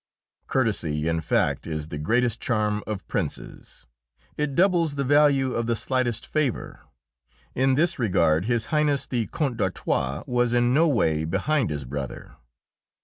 Courtesy, in fact, is the greatest charm of princes; it doubles the value of the slightest favour. In this regard His Highness the Count d'Artois was in no way behind his brother.